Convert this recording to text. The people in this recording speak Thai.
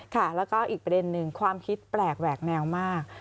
ค่ะแล้วก็อีกประเด็นหนึ่งความคิดแปลกแหวกแนวมาก